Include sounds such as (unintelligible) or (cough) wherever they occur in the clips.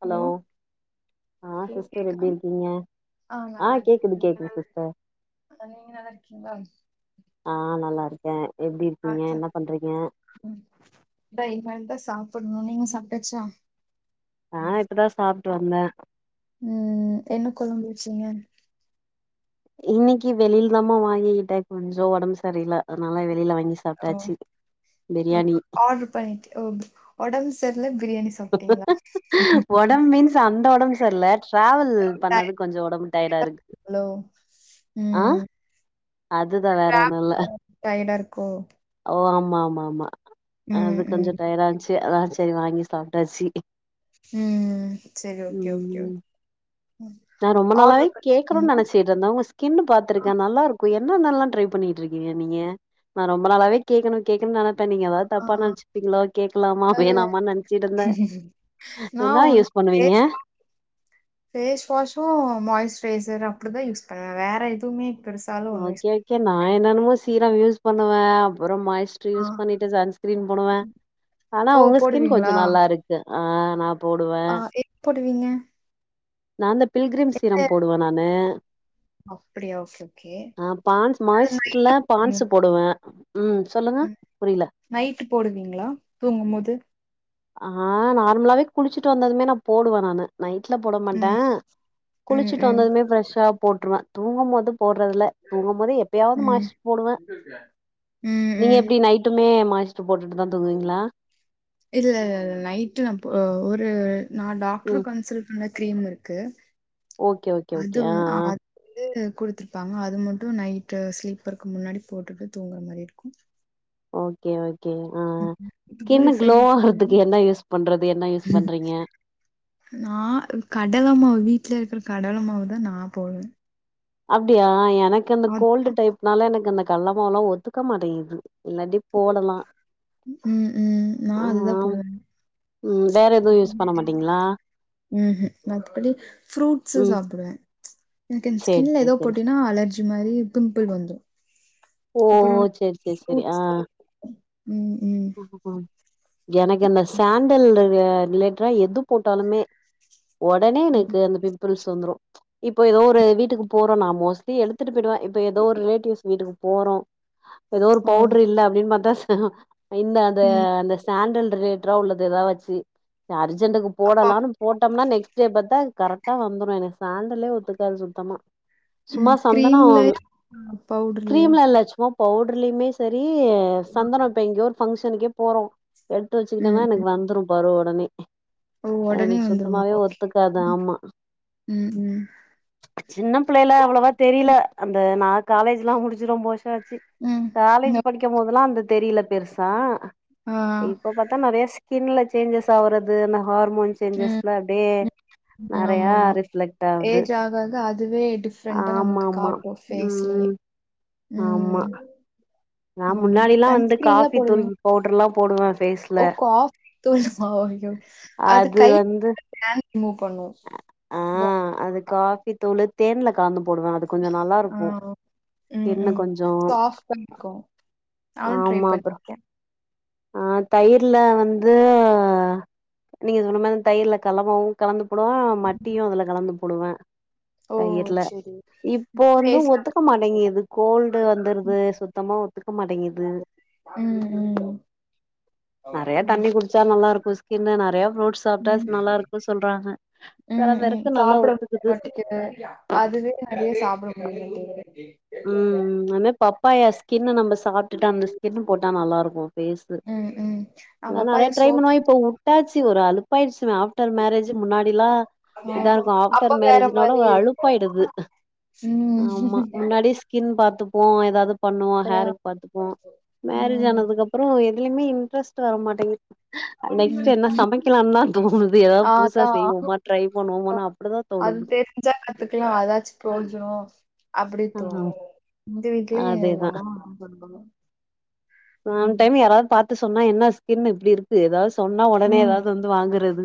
Hello ஆ hello sister கேக்குதா? எப்டி இருக்கீங்க ஆ கேக்குது கேக்குது சிஸ்டர் அக்கா நீங்க நல்லா இருக்கீங்ளா ஆ நல்லா இருக்கே எப்டி ஆ இருக்கீங்க சார் என்ன பண்றீங்க ம் இதா இனிமேல்தா சாப்புட்னு நீங்க சாப்ட்டாச்சா நா இப்பதா சாப்ட்டு வந்தே ம் ம் என்ன கொழம்பு வச்சிங்க இன்னக்கி வெளில்தாம்மா வாங்கிகிட்டே கொஞ்சோ ஒடம்பு சரியில்ல அதுனால வெளில வாங்கி சாப் ஓ ஓ ஆர்ரு பண்ணிட்டு ஓ ஒடம்பு செர்ல பிரியாணி சா ஒடம் மீன்ஸ் அந்த ஒடம்பு செர்ல டிராவல் பண்ணது கொஞ்சோ ஒடம்பு டயர்டா இருக்கு ஹலோ ஆ ம் அதுதா வேற ஒன்னு இல்ல டயடா ருக்கோ ஓ ஆமா ஆமா ஆமா ம் அது கொஞ்ச ம் டயடா இருந்ச்சு அதா சரி வாங்கி சாப்டாச்சி ம் சரி ஓகே ஓகே ஓ ம் ம் ரொம்ப நாளாவே ஆட்ரு கேக்கணும்னு பண்ணிருக்கீங்களா நெனச்சிட்டு நா உங்க ஸ்கின்னு பாத்துருக்கே நல்லா இருக்கு என்னனல்லாம் ட்ரை பண்ணிட்டு இருக்கீங்க நீங்க நா ரொம்ப நாளாவே கேட்கணு கேட்கணுனு நெனப்பே நீங்க ஏதாது ஆ தப்பா நெனச்சுப்பிங்ளோ கேக்கலாமா இல்ல வேணாமான்னு நெனச்சிட்ருந்தே நா என்னா யூஸ் ஒன்னு பண்ணுவீங்க ஃபேஸ் வாஷும் மாய்ஸ்ட்ரைசர் அப்டிதா யூஸ் பண்ணுவே வேற எதுவுமே பெருசாலும் ஒண்ணும் யூஸ் ஓகே பண்ண ஓகே நா மாட்டேன். என்னன்னமோ சீரம் யூஸ் பண்ணுவே அப்புறம் மாய்ஸ் ஆ. யூஸ் பண்ணிட்டு சன்ஸ்க்ரீன் போடுவே ஆனா ஓ உங்க ஸ்கின் கொஞ்ச போடுவீங்களா? நல்லாருக் ஆ நா போடுவெ ஆ எப் போடுவீங்க நா இந்த பில்கிரிம் சீரம் போடுவெ நானு அப்டியா ஓகே ஆ பான்ஸ் அது நைட்டு மாயஸ்ட்ல பான்ஸ் போடுவீங்களா? சு போடுவே ம் சொல்லுங்க ம். புரிய்ல நைட்டு போடுவீங்களா தூங்கும் போது ஆ நார்மலாவே குளிச்சுட்டு வந்ததுமே நா போடுவே நானு நைட்ல போட மாட்டே ம், ம், குளிச்சுட்டு ம், வந்ததுமே ஃப்ரெஷ்ஷா போட்ருவே தூங்கும் போது போட்றதில்ல தூங்கும் போது எப்பயாவது ம், மாய்ஸ்ட் போடுவ ம், நீங்க ம். எப்டி நைட் மட்டுமே மாய்ஸ்ட்டு போட்டுட்டு தா தூங்குவீங்ளா இல்லலல நைட்டு நா ஒரு நா ம் டாக்டருக் கன் கன்சல்ட் னு கிரீம் இருக்கு ஓகே ஓகே ஓகே அது ஆ வ ஆ குடுத்துருப்பாங்க அது மட்டும் நைட்டு ஸ்லீப்பருக்கு முன்னாடி போட்டுட்டு தூங்குற மாறி இருக்கும் ஓகே ஓகே ஆ ம். மத்தபடி ஸ்கின்னு க்ளோ ஃபேஸ் வாஷ் ஆகுறதுக்கு என்ன யூஸ் பண்றது என்ன யூஸ் பண்றீங்க நா கடல மாவு வீட்ல இருக்கிற கடல மாவு தா நா போடுவே அப்டியா எனக்கு இந்த அது கோல்டு டைப்னால எனக்கு இந்த கள்ளமாவுல்லா ஒத்துக்க மாட்டுது இல்லாட்டி போடலா ம் ம் நா ஆ அதுதா போடுவே ம் வேற எதுவு யூஸ் பண்ணமாட்டீங்களா உம்ஹு மத்தபடி ஃப்ரூட்ஸ்ஸு ம் சாப்டுவ எனக்கு என் சேரி ஸ்கின்ல எதோ சேரி சேரி போட்டேனா அலர்ஜி மாறி பிம்பிள் வந்துரு ஓ அப்புறோ செரி செரி செரி ஆ ஃப்ரூட்ஸ் ம் ம் ஆஹ எனக்கு அந்த சேண்டல் ரி ரிலேட்டரா எது போட்டாலுமே ஒடனே எனக்கு அந்த பிம்பிள்ஸ் வந்துரு இப்போ எதோ ஒரு வீட்டுக்கு போறோனா மோஸ்ட்லி எடுத்துட்டு போயிடுவே இப்ப எதோ ஒரு ரிலேட்டிவ்ஸ் வீட்டுக்கு போறோ எதோ ஒரு ஓ பவுடர் இல்ல அப்டின்னு பாத்தா சே இந்த அந்த ம் அந்த சேண்டல் ரிலேட்டரா உள்ளது ஏதாச்சு அர் அர்ஜென்டுக்கு அப்போ போடலானு போட்டம்னா நெக்ஸ்ட் டே பாத்தா கரெட் டா வந்துரு எனக்கு சேண்டலே ஒத்துக்காது சுத்தமா சும்மா சந்தனோ ஆ பவுட்ரு கிரீம்லா இல்ல சும்மா பவுடர்லயுமே சரி சந்தன இப்போ எங்கேயோ ஒரு ஃபங்க்ஷனுக்கே போறோ எடுத்து ம் வச்சுக்கிட்டன்னா எனக்கு ம் வந்துரு பாரு ஒடனே ஓ அது ஒடனே எனக்கு வந்துருமா சுத்தமாவே ஓகே ஒத்துக்காது ஆமா ம் ம் சின்ன பிள்ளைல அவ்வளவா தெரியல அந்த நா காலேஜ்லா முடிச்சு ரொம்போ வருஷ ஆச்சு ம் காலேஜ் ம் படிக்கும் போதல்லா அந்த தெரியல பெருசா ஆ இப்ப பாத் நெறைய ஸ்கின்ல சேஞ்சஸ் ஆவுறது அ ஹார்மோன் ம் சேஞ்சஸ்ல அப்டியே ம் ஆமா நெறையா ஆமா ரிஃப்ளெக்ட் ஆவுது ஏஜ் ஆக ஆக அதுவே டிஃப்ரெண்டா ஆமா நம்மளுக்கு ஆமா காட்டும் ஃபேஸ்லயே. ம் ஆமா ம். நா ஆமா. முன்னாடி எல்லா வந்து சன்ஸ்கிரீன்லாம் காபி தூள் போடுவீங்க? பவுடர் எல்லா போடுவே ஃபேஸ்ல ஓ காஃபி தூள் மா ஐயோ அது கை ஹேர் ரிமூவ் பண்ணு ஆ அது காபி தூளு தேன்ல கலந்து போடுவ அதுக் கொஞ்சோ நல்லா ஆ. இருக்கு ஸ்கின்னு கொஞ்சோ ஆப் பண்ணிக்கோ ஆமா அப்றோ ஆ தயிர்ல வந்து நீங்க சொன்ன மாரி தயிர்ல கல்லமாவு கலந்து போடுவ மட்டியு அதுல கலந்து போடுவ ஓ! தயிர்ல சரி. இப்போ வந்து ஃபேஸ்ல ஒத்துக்க மாட்டேங்குது கோல்டு வந்துருது சுத்தமா ஒத்துக்க மாட்டேங்கிது ம் ம் நெறயா ம். தண்ணி குடிச்சா நல்லா இருக்கு ஸ்கின்னு நெறைய ஃப்ரூட்ஸ் சாப்ட்டாஸ் நல்லா ம். இருக்கு சொல்றாங்க செல ம், ம். பேருக்கு நல்லா சாப்பிட ஒத்துக்குது நெறய சாப்பட முடியமாட்டேங்குது ம் ம் அதே பப்பாயா ஸ்கின் நம்ம சாப்டுட்டு அந்த ஸ்கின்னு போட்டா நல்லா இருக்கு ஃபேஸூ ம் ம் நா அதலா நெறய பப்பாயா ட்ரை சோப் பண்ணுவே இப்ப வுட்டாச்சு ஒரு அழுப்பாயிடுச்சு நா ஆஃப்டர் மேரேஜ் முன்னாடில்லா ஆ இதா இருக்கு அப்ப ஆஃப்டர் வேற மேரேஜ்னோட மாரி ஒ இருக்கு அழுப்பாயிடுது ஆமா ம் முன்னாடி ஸ்கின் பாத்துப்போ எதாவது பண்ணுவோ ஆ ஹேருக்கு பாத்துப்போ மேரேஜ் ம் ஆனதுக்குப்றோ எதுலயுமே இன்ட்ரெஸ்ட் வர மாட்டேங்குது நெக்ஸ்ட் ம் என்ன சமைக்கலானு தா தோணுது ஏதாவது புதுசா அதா செய்வோமா ட்ரை பண்ணுவோ அப்டிதா தோணுது ஞ்சா கத்துக்லா அதாச்சு புரோசோ அப்டி தோணு இந்த வீட்லயு எங்க அதேதா அம்மா அப்டி பண்ணுவாங்க ஒன் ம் டைம் யாராவது பாத்து சொன்னா என்ன ஸ்கின் இப்டி இருக்கு எதாவது சொன்னா ஒடனே ம் எதாவது வந்து வாங்குறது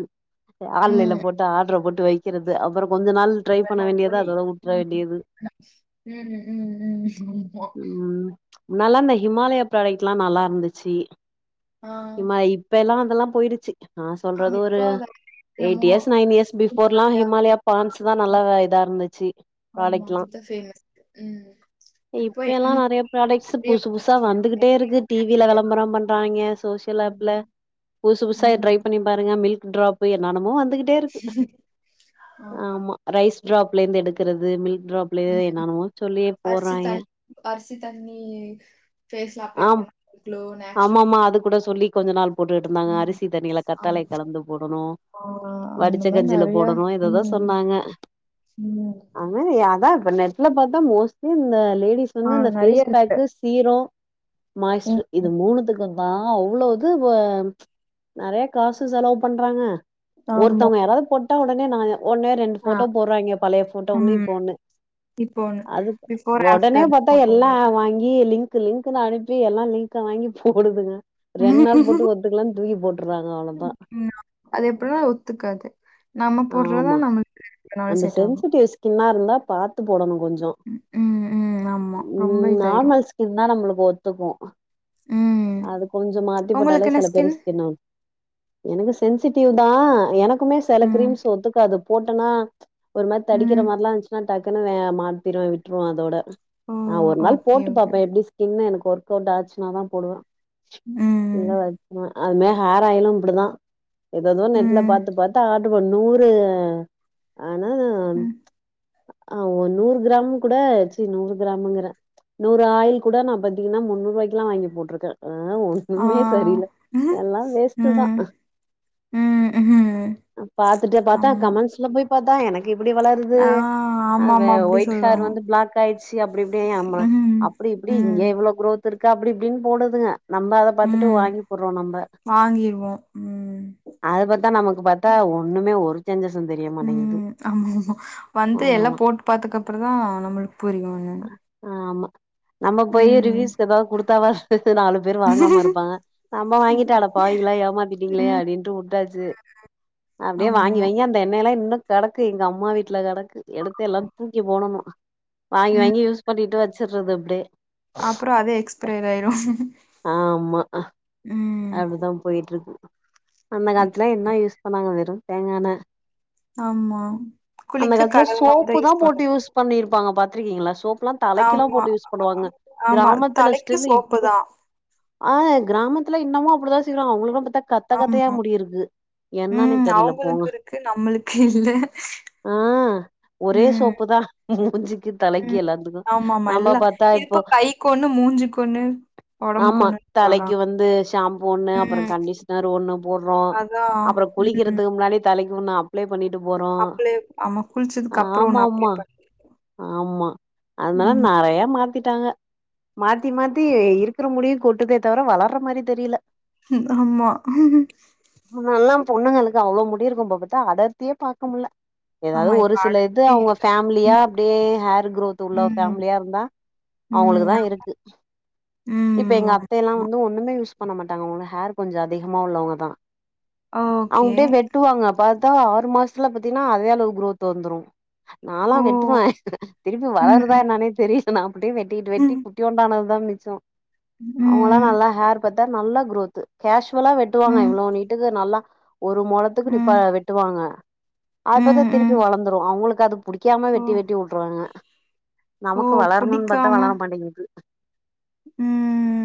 ஆன்லைன்ல ம் போட்டு ஆர்டர போட்டு வெக்கறது அப்றோ கொஞ்சோ நாள் ட்ரை பண்ண வேண்டியது அதோட உட்ற வேண்டியது ம் ம் ம் ஓகே முன்னலா இந்த ஹிமாலயா ப்ராடக்ட் எல்லா நல்லா இருந்துச்சு ஆ ஹிமாய் இப்ப எல்லா அதெல்லா போயிடுச்சு நா அவ சொல்றது ஒரு இப்போ அத எயிட் என்னமோ இயர்ஸ் நைன் இயர்ஸ் பிபோர்லா அதான், ஹிமாலயா பான்ஸ் தா நல்லா இதா இருந்துச்சி ஆமா அதுதா ஃபேமஸ் ம் இப்போ இப்ப எல்லா என்னென்னமோ நெறைய ப்ராடக்ஸ் நெறைய புதுசு புதுசா வந்துகிட்டே இருக்கு டிவில வந்துருச்சு வெளம்பரோ பண்றாங்க சோசியல் ஆப் (unintelligible) புதுசு புதுசா ம். ட்ரை பண்ணி பாருங்க மில்க் ட்ராப் என்னன்னமோ வந்துகிட் டெருக்கு ஆமா ரைஸ் ட்ராப்ல இருந்து எடுக்கிறது மில்க் ட்ராப்லே ம். என்னனமோ சொல்லியே அரிசி போடுறாய்ங்க தண்ணி அரிசி தண்ணி ஃபேஸ்ல அப்ளே பண்ணலா க்ளோ நேச்சுரல் ஆ கூட சொல்லி ஆ கொஞ்ச நாள் போட்டுட்டு இருந்தாங்க ம். அரிசி தண்ணியில கத்தாலை ஆமா. கலந்து போடணு ஆ அந்த வடிச்ச மாரி கஞ்சில போடணு எது எதோ சொன்னாங்க சும்மா அது அதா இப்ப நெட்ல பாத்தா மோஸ்ட்லி இந்த லேடிஸ் ஆ வந்து இந்த நெறைய இருக்கு. பேஸ்பேக்கு சீரோ ம். மாய்ஸ்ட்ரு இது மூணுதுக்கு ஆ அவ்ளோ இது நறய காசு செலவ் பண்றாங்க ஆமா. ஒருத்தவுங்க யாராவ்து போட்டா ஓடனே நா ஒட்ன்னே ரெண்டு ஆ போட்டோ போடுறாங்ங பழைய போட்டோ ஒண்ணு ம். இப்ப ஒண்ணு இப்போ ஒண்ணு அது பிஃபோர் ஒடனே ஆஃப்டர் பாத்தா போட்டோ எல்லா வருது. வாங்கி லிங்க் லிங்க்கு லிங்க்னு அனுப்பி எல்லா லிங்க வாங்கி போடுதுக ரெண் நாள் ம். போட்டு ஒத்துக்கலனு தூக்கி போட் அது எப்பின்னா ஒத்துக்காது நம்ம போட்றதா ஆமா நமக்கு நம்ம சென்சிடிவ் ஸ்கின்னாருந்தா பா த்து போடணு கொஞ்சொ ம் ம் ஆமா ரொம்ப ம் இதாயிரும். நார்மல் ஸ் தின்னா நம்ளுக்கு ஒத்துக்கூ ம் அது கொஞ்சோ மாத்தி போட்டாலே உங்களுக்கு என்ன செல ஸ்கின்? பேருக்கு ஸ்கீன் என்னுது சென்சிட்டிவ் தா எனக்குமே செல ம். க்ரீம்ஸ் ஒத்துக்காது போட்டனா ஒரு மாரி ம். தடிக்கிற மார்ல்லா இருந்ச்சுன்னா டக்குன்னு வேற மாத்திடுவ விட்டுருவ அதோட ஓ! நா ஒரு நாள் ஓகே, போட்டு ஓகே. பாப்பே எப்டி ஸ்கின்னு எனக்கு ஒர்க் அவுட் ஆச்சீன்னாதா போடுவ ம் இல்ல அத் அதுமாரி ஹேர் ஆயிலும் இப்டிதா ஏதேதோ நெட்ல ம். பாத்து பாத்து ஆட்ரு ப்ப நூறு ஆனா ம் ஆ ஒரு நூறு கிராம் கூட ச்சீ நூறு கிராம்ங்குற நூறு ஆயில் கூட நா பாதீங்கன்னா முன்னூறு ரூவாய்க்குல்லா வாங்கி போட்ருக்க ஆ ஆ. ஒண்ணுமே சரியில்ல ம். எல்லா வேஸ்ட்டு தா ம். ம்ஹ்ம். பாத்துட்டு பாத்தா ஆமா. கமெண்ட்ஸ்ல போய் பாத்தா எனக் கு எப்டி வளருது ஆ அந்த ஆமாமா. அப்டி ஒயிட் ஹேர் சொல்லுவாங்க. வந்து பிளாக் ஆய்ட்ச்சி அப்டி இப்டி அம்மா ம். அப் அப்டி இப்டி இங்க ம். இவ்ளோ குரோத் இருக்கு அப்டி இப்டின் போடுதுங்க நம்ப அத பாத்துட்டு ம். வாங்கி புட்றோ நம்ப வாங்கிருவோம். ம். அத பத்தா நமக்கு பாத்தா ஒண்ணுமே ஒரு சேஞ்சசுந் தெரிய மாட்டேங்குது ம் ஆமா ஆமா‌ வந்து ஆ எல்லா போட்டு பாத்தக்குப்பறந் தா நமளுக் புரியு என்னனு ஆ ஆமா நம்ம போயி ரிவியூஸ் எதாவ்து குடுத்தாவாது அடுத்து நாலு பேர் வாங்காம இருப்பாங்க நம்ப வாங்கிட்டு அட பாவிகளா ஏமாதிடீங்ளே ம். அப்டின்டு ட்டாசீ அப்டியே வாங்கி ஆமா. வாங்கி அந்த எண்ணெய எல்லா இன்னோ கெடக்கு எங்க அம்மா வீட்ல கெடக்கு கு எடுத்து எல்லா தூக்கி போடணு வாங்கி ம். வாங்கி யூஸ் பண்ணிட்டு வச்சீறது அப்டே அப்றோ அதே எக்ஸ்பிரியர் ஆயிரு ஆமா அப்டிதா போயிட்டு இருக்கு அந்த காலத்துலா என்ன யூஸ் பண்ணாங்க வெறு தேங்கான ஆமா குளிக்க கடலமாவு தா யூஸ் பண்ணுவ பண்ணிருப்பாங்க பாத்திருக்கீங்களா சோப்லா தலைக்கில்லா ஆமா. போட்டு யூஸ் பண்ணுவாங்க ஆமா. கிராமத்துல தலைக்கு ஸ்டில் சோப்பு இப்ப தான். ஆ கிராமத்துல இன்னமு அப்டிதா சீவுறாங்க அவுங்களுக்ளா பாத்தா கத்த கத்தையா ஆமா. முடியிருக்கு ம் அவுங்களுக்கு இருக்கு நம்மளுக்கு இல்ல ஆ ஒரே ம். சோப்பு தா மூஞ்சிக்கி தலைக்கி ம். எல்லாத்துக்கூ ஆமாமா. நம்ப எல்லாம் பாத்தா இப்போ இப்ப கைக்கு ஒண்ணு, மூஞ்சுக்கு ஒண்ணு, உடம்புக்கு ஆமா ஒண்ணுன்னு தலைக்கி போடுறாங்க. வந்து ஷாம்பூ ஒண்ணு ம். அப்றம் கண்டிஷனரு ஒண்ணு போட்றோ அதான். அப்றோ ம். குளிக்கிறதுக்கு முன்னாடி தலைக்கி ஒண்ணு அப்ளே பண்ணிட்டு போறோ அப்ளை ஆமா. குளிச்சதுக்கு அப்புறம் ஆமா ஒண்ணு அப்ளை ஆமா பண்ணிருக்கோம். ஆம்மா அதனால ம். நறைய மாற் த்திட்டாங்க மாத்தி மாத்தி இருக்குற முடியு கொட்டுதே தவிர வளர்ர்ற மாறி தெரியில ஆம்மா முன்னெல்லாம் பொண்ணுங்களுக்கு அவ்ளோ முடி இருக்கூ இப்போ பாத்தா அடர்த்தியே பாக்க முல ஏதாவது ஆமா. ஒரு இப்ப சில இது அடுத்து அவங்க இல்ல. ஃபேமிலியா ம். அப்படியே ஹேர் க்ரோத் உள்ள ம். ஃபேமிலியா இருந்தா அவங்களுகுதா ம். இருக்கு இப்ப ம். எங்க அத்தைல்லா ஆமா. வந்து ஒண்ணுமே யூஸ் பண்ண மாட்டாங்க அவங்க ஹர் கொஞ்சோ அதிகமா உள்ளவங்க தா ஓகே. அவங்கப்டியே வெட்டுவாங்க பாத் தா ஆறு மாசத்துல பாத்தீனா அதே அளவு க்ரோத் வந்துரு நாலா வெட்டுவ திருப்பி வளருதா என்னானே தெரிய நா அப்டியே வெட்டிட்டு வெட்டி குட்டியோண்டானது தா மிச்சோ அவங்கலா நல்லா ஹர் பத்தா நல்லா க்ரோத்து கேஷுவலா வெட்டுவாங்க இவ்ளோ நீட்டுக்கு நல்லா ஒரு மொலத்துக்குப்ப வெட்டுவாங்க ஆ பாத்தா திருப்பி வளந்துரு அவங்களுக்கு அது புடிக்காம வெட் ட்டி உட்றாங்க நமக்கு வளரணுன் பாத்தா வளர மாட்டிங்குது ம்,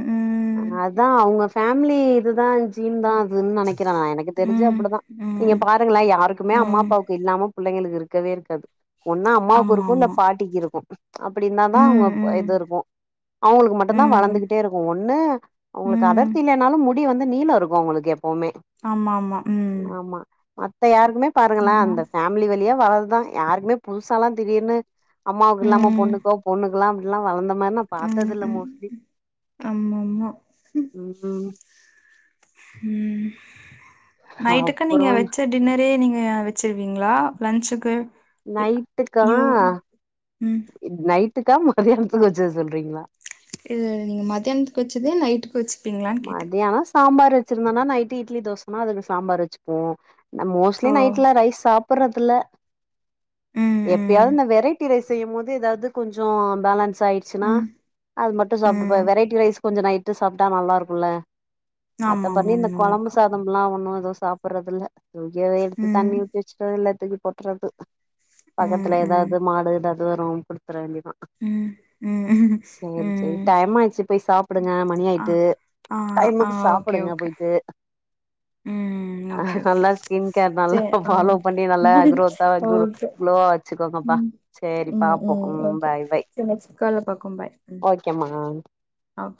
ம், அதா அவங்க ஃபேமிலி இதுதா ஜீன் தா அதுன்னு நெனைக்கிற நா எனக்கு தெரிஞ்சு ம், அப்டிதா நீங்க ம், பா த்தீங்ளா யாருக்குமே அம்மா ம், அப்பாவுக்கு இல்லாம புள்ளைகளுக்கு இருக்கவே இருக்காது ஒன்னு அம்மாவுக்கு ஆமா, இருக்கு இல்ல ஆமா, பாட்டிக்கு இருக்கு அப்படிந்தாதா அவங்க ம், இது ம், இருக்கு அவ்ங்களுக்கு மட்டுந்தா ம், வளந்துகிட்டே இருக்கு ஒண்ணு அவங்களுக்கு ம், அடர்த்தி இல்லனாலு முடி வந்து நீளோ இருக்கு அவங்களுக்கு எப்பவுமே ஆமாமா ம் ஆமா மத்த யாருக்குமே பாருங்கள ஆமா, அந்த ஃபேமிலி வழியா வர்ரதுதா யாருக்குமே புதுசாலா திடீர்ன்னு அம்மாவுக்குல்லாம ம், பொண்ணுக்கோ பொண்ணுக்லா அப்டெல்லா வளந்த மாரி நா பாத்தது இல்ல மோஸ்ட்லி அம்மம்மா ம் ம் ம் நைட்டுக்கு அப்புறோ நீங்க வச்ச டின்னரே நீங்க வச்சிருவீங்ளா லன்ஞ்ச்சுக்கு நைட்டுக்கா ம். நைட்டுக்கா மதியானத்துக்கு வச்சத சொல்றீங்ளா இல்லல்ல நீங்க மதியானத்துக்கு வச்சதே நைட்டுக்கு வச்சு மதியானோ சாம்பார் வச்சிருந்தனா நைட்டு் இட்லி தோசனா அதுக்கு சாம்பார் வச்சுக்வோ நா ஓ மோஸ்ட்லி நைட்ல ரைஸ் சாப்ட்றதில்ல ம் ம் எப்பயாது இந்த வெரைட்டி ரைஸ் செய்யும் போது ஏதாது கொஞ்சோ பேலன்ஸ் ஆயிடுச்சுனா ம் அது மட்டு சாப்ட்டுப ம் வெரைட்டி ரைஸ் கொஞ்சோ நைட்டு சாப்ட்டா நல்லா இருக்குல்ல மத்த ஆமா பண்ணி ஆமா இந்த கொழம்பு நல்லாருக்கு சாப் தம்லா ஒண்ணு ஏது சாப்ட்றது இல்ல தூகிய எடுத்து ம் தண்ணி ஊத்தி வச்சுக்றது இல்ல தூக்கி போட்றது ம் பக்கத்துல ம் ஏதாது மாடு ஏதாது வரு குடுத்துற வேண்டியதா ம் ம் சேரி சேரி ம் டைமாயிச்சு போய் சாப்டுங்க மணி ஆ ஆய்ட்டு ஆ ஆ டைமுக்கு ஓகே சாப்டுங்க ஓகே போய்ட்டு ம் அ ஓகே ஓகே நல்லா ஸ்கின் கேர் நல்லா சரி ஆ ஃபாலோ பண்ணி நல்லா க்ரோத்தா க்ளு ஓகே க்ளோவா வச்சுகோங்கப்பா ம் சேரி ம் பாப்போ ம் ஓகே பாய் பாய் சரி நெக்ஸ்ட் கால்ல பாக்குறோம் பாய் ம் ஓக் கமான்ட் ஓகே